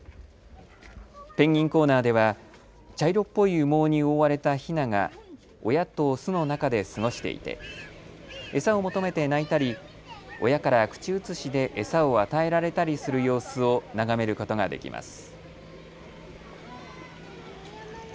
ペンギンコーナーでは茶色っぽい羽毛に覆われたひなが親と巣の中で過ごしていて餌を求めて鳴いたり親から口移しで餌を与えられたりする様子を眺めることができます。